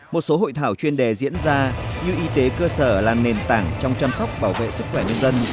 một số hội thảo chuyên đề diễn ra như y tế cơ sở là nền tảng trong chăm sóc bảo vệ sức khỏe nhân dân